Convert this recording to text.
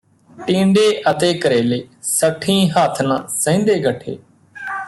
ਟੀਂਡੇ ਅਤੇ ਕਰੇਲੇ ਸੱਠੀਂ ਹੱਥ ਨਾ ਸਹਿੰਦੇ ਗੱਠੇ